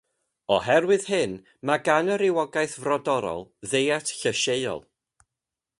Oherwydd hyn, mae gan y rywogaeth frodorol ddiet llysieuol.